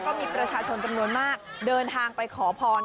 ก็มีประชาชนจำนวนมากเดินทางไปขอพร